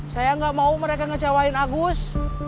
saya nggak mau mereka ngecewain agus